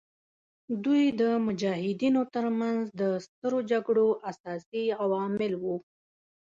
دوی د مجاهدینو تر منځ د سترو جګړو اساسي عوامل وو.